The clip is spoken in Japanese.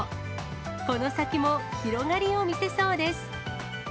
この先も広がりを見せそうです。